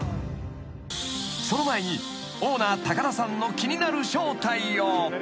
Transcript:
［その前にオーナー田さんの気になる正体を］